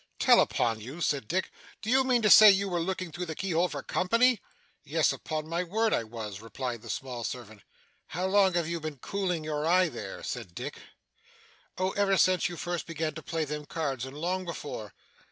'Tell upon you!' said Dick. 'Do you mean to say you were looking through the keyhole for company?' 'Yes, upon my word I was,' replied the small servant. 'How long have you been cooling your eye there?' said Dick. 'Oh ever since you first began to play them cards, and long before.